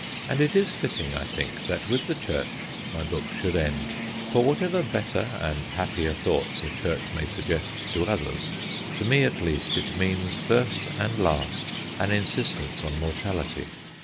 And it is fitting, I think, that with the church my book should end. For whatever better and happier thoughts a church may suggest to others, to me at least it means, first and last, an insistence on mortality.